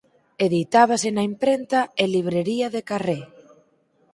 Editábase na imprenta e librería de Carré.